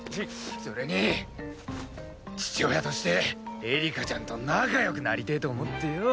それに父親としてエリカちゃんと仲良くなりてえと思ってよ。